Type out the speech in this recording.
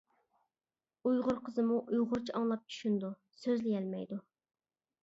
ئۇيغۇر قىزمۇ ئۇيغۇرچە ئاڭلاپ چۈشىنىدۇ، سۆزلىيەلمەيدۇ.